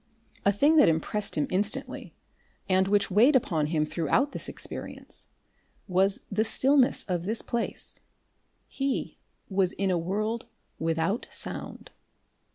A thing that impressed him instantly, and which weighed upon him throughout all this experience, was the stillness of this place he was in a world without sound.